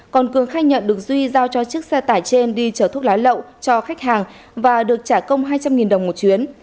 còn cường khai nhận được duy giao cho chiếc xe tải trên đi chở thuốc lá lậu cho khách hàng và được trả công hai trăm linh đồng một chuyến